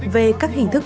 về các hình thức